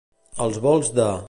Als volts de.